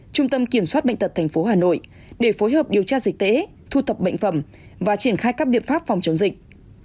trung tâm kiểm soát bệnh tật tp hà nội để phối hợp điều tra dịch tễ thu tập bệnh phẩm và triển khai các biện pháp phòng chống dịch